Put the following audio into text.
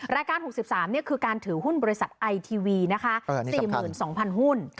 รายการ๖๓คือการถือหุ้นบริษัทไอทีวีนะคะ๔๒๐๐หุ้น